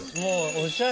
おしゃれ。